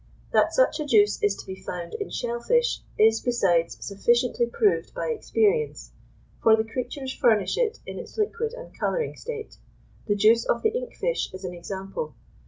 That such a juice is to be found in shell fish is, besides, sufficiently proved by experience; for the creatures furnish it in its liquid and colouring state: the juice of the ink fish is an example.